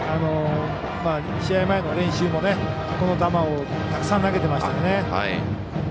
試合前の練習もこの球をたくさん投げていましたよね。